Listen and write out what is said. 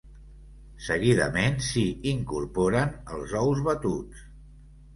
Seguidament s'hi incorporen els ous batuts.